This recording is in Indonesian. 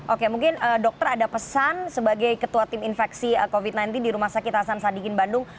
oke mungkin dokter ada pesan sebagai ketua tim infeksi covid sembilan belas di rumah sakit hasan sadikin bandung